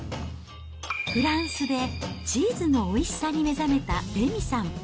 フランスでチーズのおいしさに目覚めた玲美さん。